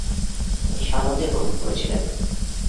তিনি সানন্দে গ্রহণ করেছিলেন।